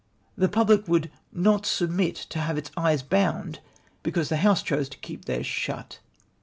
The public icould not submit to have its eyes bound because tlie House chose to keep theirs shut.